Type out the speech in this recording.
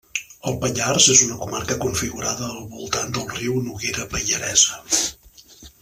El Pallars és una comarca configurada al voltant del riu Noguera Pallaresa.